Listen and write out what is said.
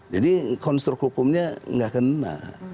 jadi konstruk hukumnya nggak kena